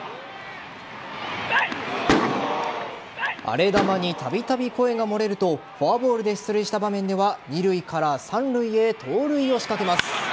荒れ球にたびたび声が漏れるとフォアボールで出塁した場面では二塁から三塁へ盗塁を仕掛けます。